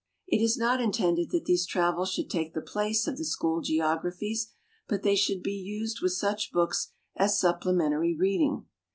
It is not intended that these travels should take the place of the school geographies, but that they should be used with such books as supplementary reading.